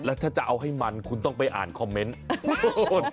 แล้วถ้าจะเอาให้มันคุณต้องไปอ่านคอมเมนต์